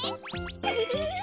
ウフフフフ。